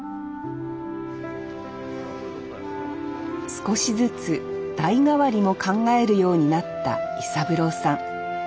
少しずつ代替わりも考えるようになった伊三郎さん。